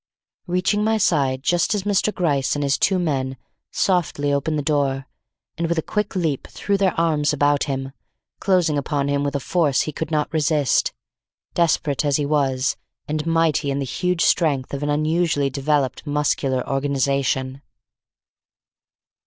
reaching my side just as Mr. Gryce and his two men softly opened the door and with a quick leap threw their arms about him, closing upon him with a force he could not resist, desperate as he was and mighty in the huge strength of an unusually developed muscular organization.